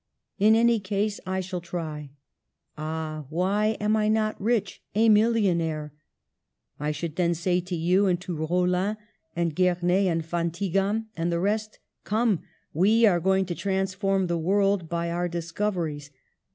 In any case I shall try. Ah, why am I not rich, a millionaire? I should then say to you, and to Raulin and Ger nez and Van Tiegham, and the rest, ^Come ! we are going to transform the world by our dis coveries!'